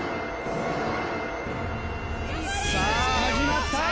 さあ始まった！